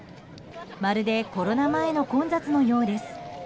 まるでコロナ前の混雑のようです。